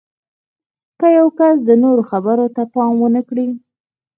که یو کس د نورو خبرو ته پام ونه کړي